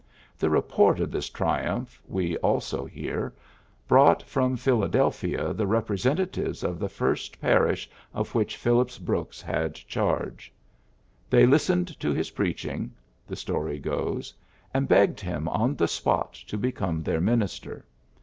The report of this tri 20 PHILLIPS BEOOKS umph, we also hear, brought from Phil adelphia the representatives of the first parish of which Phillips Brooks had charge. They listened to his preachingj the story goes, and begged him on the spot to become their minister.